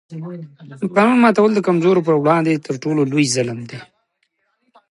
د قانون ماتول د کمزورو پر وړاندې تر ټولو لوی ظلم دی